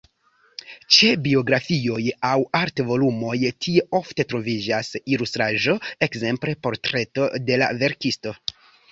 Ĉe biografioj aŭ art-volumoj tie ofte troviĝas ilustraĵo, ekzemple portreto de la verkisto.